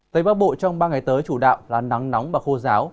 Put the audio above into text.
tây bắc bộ trong ba ngày tới chủ đạo là nắng nóng và khô giáo